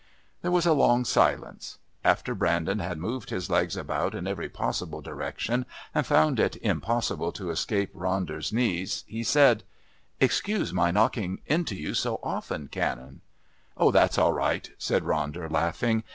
There was a long silence. After Brandon had moved his legs about in every possible direction and found it impossible to escape Ronder's knees, he said: "Excuse my knocking into you so often, Canon." "Oh, that's all right," said Ronder, laughing.